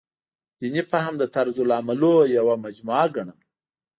دیني فهم د طرزالعملونو یوه مجموعه ګڼم.